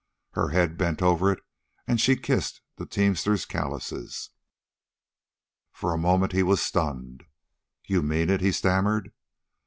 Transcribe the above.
Her head bent over it, and she kissed the teamster callouses. For the moment he was stunned. "You mean it?" he stammered.